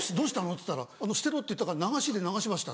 っつったら「捨てろって言ったから流しで流しました」。